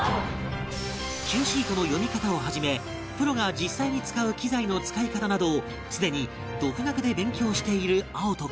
ＣＵＥ シートの読み方をはじめプロが実際に使う機材の使い方などをすでに独学で勉強している碧人君